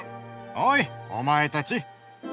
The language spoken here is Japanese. おいお前たち。